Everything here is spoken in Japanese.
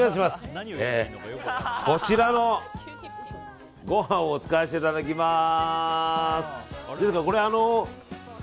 こちらのご飯を使わせていただきます。